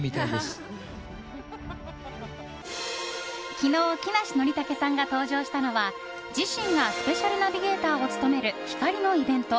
昨日、木梨憲武さんが登場したのは自身がスペシャルナビゲーターを務める光のイベント